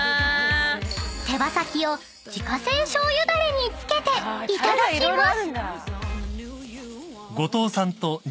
［手羽先を自家製しょうゆダレにつけていただきます］